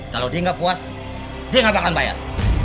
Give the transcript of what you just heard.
kalo dia gak puas dia gak bakal bayar